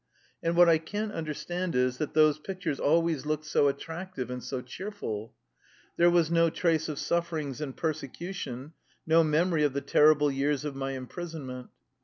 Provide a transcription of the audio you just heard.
And what I can't understand is, that those pic tures always looked so attractive and so cheer ful ! There was no trace of sufferings and perse cution, no memory of the terrible years of my im prisonment.